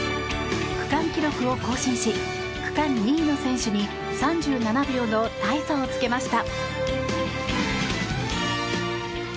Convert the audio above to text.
区間記録を更新し区間２位の選手に３７秒の大差をつけました。